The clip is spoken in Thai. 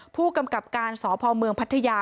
ผู้กำกับการสพเมืองพัทยา